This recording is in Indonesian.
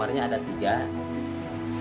hanya eksposure ini k isabari